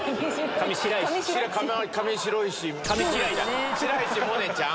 上白石萌音ちゃん。